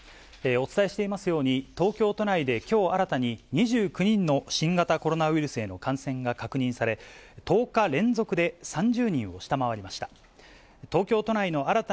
お伝えしていますように、東京都内できょう新たに、２９人の新型コロナウイルスへの感染が確認され、１０日連続で３０人を下回りました。